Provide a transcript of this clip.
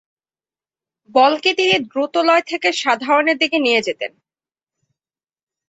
বলকে তিনি দ্রুতলয় থেকে সাধারণের দিকে নিয়ে যেতেন।